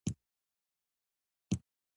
شینککۍ غیږ لوبوې،